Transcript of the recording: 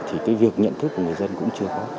thì cái việc nhận thức của người dân cũng chưa có